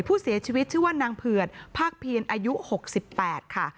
ผู้เสียชีวิตชื่อว่านางเผือดภาคเพียรอายุ๖๘ค่ะ